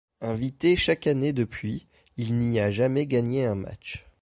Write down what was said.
Invité chaque année depuis, il n'y a jamais gagné un match.